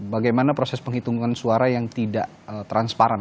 bagaimana proses penghitungan suara yang tidak transparan